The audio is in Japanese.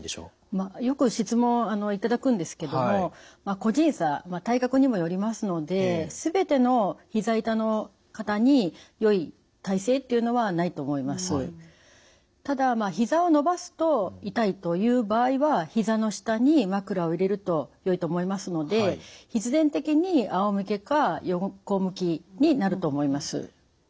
まあよく質問頂くんですけども個人差体格にもよりますのでただひざを伸ばすと痛いという場合はひざの下に枕を入れるとよいと思いますので必然的にあおむけか横向きになると思います。